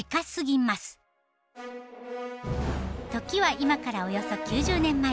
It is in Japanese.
時は今からおよそ９０年前。